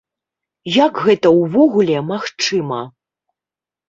Як гэта ўвогуле магчыма?